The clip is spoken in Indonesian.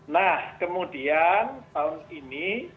nah kemudian tahun ini